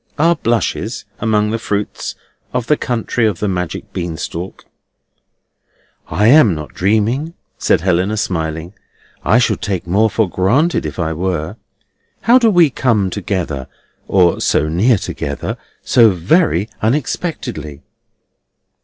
Are blushes among the fruits of the country of the magic bean stalk? "I am not dreaming," said Helena, smiling. "I should take more for granted if I were. How do we come together—or so near together—so very unexpectedly?"